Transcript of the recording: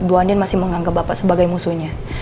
bu andin masih menganggap bapak sebagai musuhnya